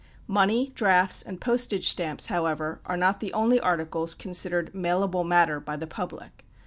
Money, drafts, and postage stamps, however, are not the only articles considered "mailable matter" by the public.